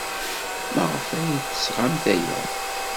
Maɣef ay d-tesɣamt aya?